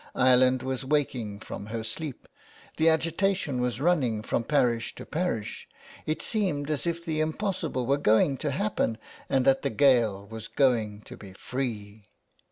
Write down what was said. Ireland was waking from her sleep. .. The agitation was running from parish to parish, it seemed as if the impossible were going to happen, and that the Gael was going to be free.